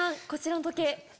こちらの時計。